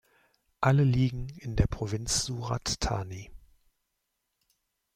Alle liegen in der Provinz Surat Thani.